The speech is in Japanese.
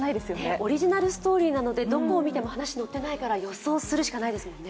オリジナルストーリーなのでどこを見ても話が載ってないから予想するしかないですもんね。